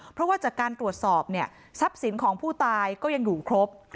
เพราะว่าจากการตรวจสอบเนี่ยทรัพย์สินของผู้ตายก็ยังอยู่ครบ